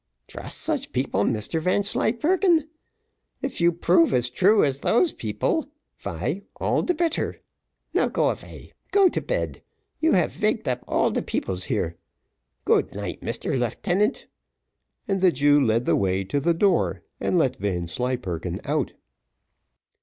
"Trust such people, Mr Vanslyperken? If you prove as true as those peoples, vy all de bitter; now go avay go to bed you have vaked up all the peoples here. Good night, Mr Leeftenant;" and the Jew led the way to the door, and let Vanslyperken out.